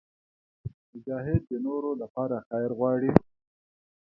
مجاهد د نورو لپاره خیر غواړي.